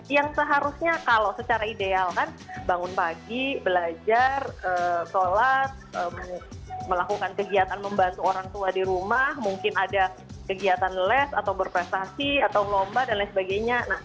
yang seharusnya kalau secara ideal kan bangun pagi belajar sholat melakukan kegiatan membantu orang tua di rumah mungkin ada kegiatan les atau berprestasi atau lomba dan lain sebagainya